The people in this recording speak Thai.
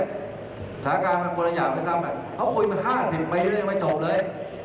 สถาการณ์กับคนอาหย่าไปซ้ำเขาคุยมา๕๐ปีแล้วยังไม่จบเลย